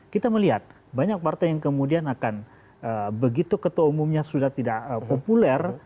kita melihat banyak partai yang kemudian akan begitu ketua umumnya sudah tidak populer